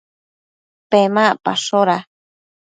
Pemacpashoda